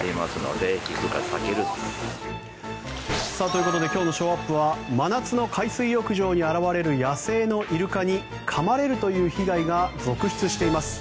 ということで今日のショーアップは真夏の海水浴場に現れる野生のイルカにかまれるという被害が続出しています。